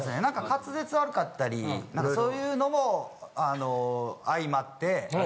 何か滑舌悪かったりそういうのも相まって。